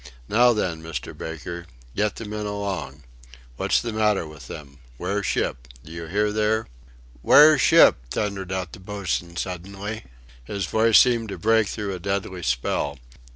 Now then, Mr. Baker, get the men along. What's the matter with them?" "Wear ship. Do you hear there? Wear ship!" thundered out the boatswain suddenly. His voice seemed to break through a deadly spell.